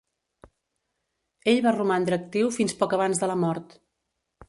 Ell va romandre actiu fins poc abans de la mort.